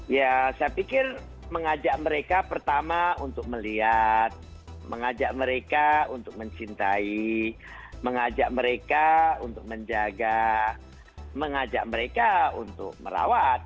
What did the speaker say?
ya saya pikir mengajak mereka pertama untuk melihat mengajak mereka untuk mencintai mengajak mereka untuk menjaga mengajak mereka untuk merawat